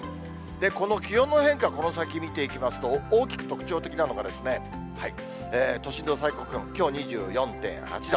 この気温の変化、この先見ていきますと、大きく特徴的なのが、都心の最高気温、きょう２４．８度。